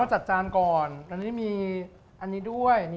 จัดจานก่อนอันนี้มีอันนี้ด้วย